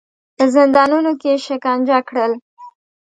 په زندانونو کې یې شکنجه کړل.